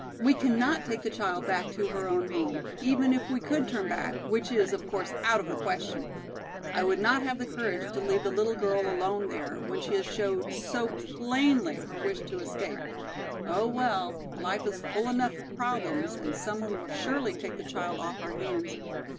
"We cannot take the child back to her own home, even if we could turn back, which is of course out of the question. I would not have the courage to leave the little girl alone there, when she has showed so plainly her wish to escape. Oh, well, life is full enough of problems and some one will surely take the child off our hands!